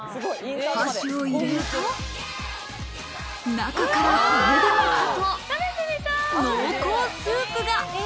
箸を入れると、中からこれでもかと濃厚スープが。